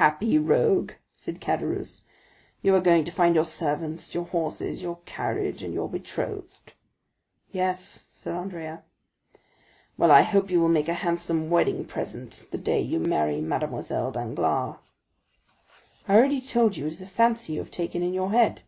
"Happy rogue," said Caderousse; "you are going to find your servants, your horses, your carriage, and your betrothed!" "Yes," said Andrea. "Well, I hope you will make a handsome wedding present the day you marry Mademoiselle Danglars." "I have already told you it is a fancy you have taken in your head."